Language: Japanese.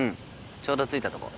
ちょうど着いたとこ。